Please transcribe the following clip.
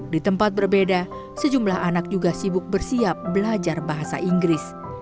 di tempat berbeda sejumlah anak juga sibuk bersiap belajar bahasa inggris